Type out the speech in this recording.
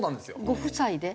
ご夫妻で？